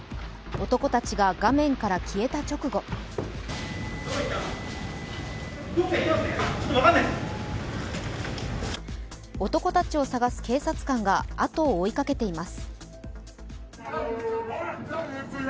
男たちが画面から消えた直後男たちを探す警察官が後を追いかけています。